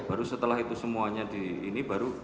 baru setelah itu semuanya di ini baru